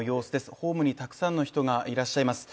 ホームにたくさんの人がいらっしゃいます。